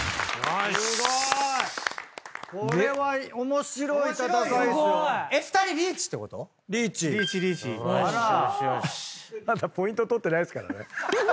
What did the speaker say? まだポイント取ってないですからね。